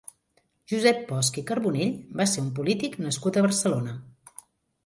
Josep Bosch i Carbonell va ser un polític nascut a Barcelona.